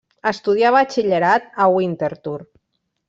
Estudià batxillerat a Winterthur.